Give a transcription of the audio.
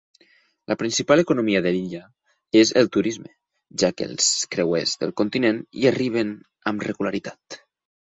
La principal economia de l'illa és el turisme, ja que els creuers del continent hi arriben amb regularitat.